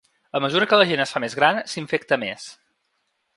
A mesura que la gent es fa més gran s’infecta més.